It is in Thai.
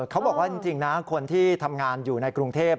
เขาบอกว่าจริงนะคนที่ทำงานอยู่ในกรุงเทพ